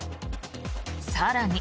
更に。